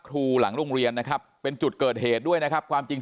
หลังโรงเรียนนะครับเป็นจุดเกิดเหตุด้วยนะครับความจริง